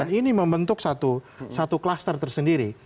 dan ini membentuk satu klaster tersendiri